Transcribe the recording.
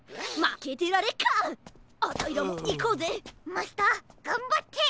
マスターがんばって！